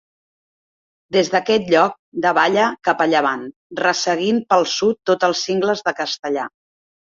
Des d'aquest lloc davalla cap a llevant, resseguint pel sud tots els Cingles de Castellar.